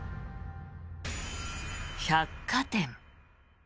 百貨店。